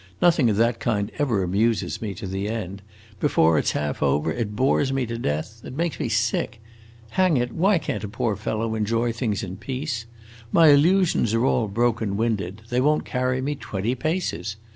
Nothing of that kind ever amuses me to the end: before it 's half over it bores me to death; it makes me sick. Hang it, why can't a poor fellow enjoy things in peace? My illusions are all broken winded; they won't carry me twenty paces!